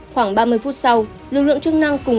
khoảng ba mươi phút sau lực lượng chức năng cùng m d